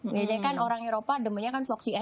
biasanya kan orang eropa demennya kan foxy eyes